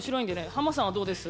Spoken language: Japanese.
ハマさんはどうです？